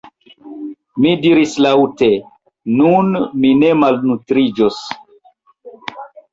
Mi diris laŭte: “nun mi ne malnutriĝos! »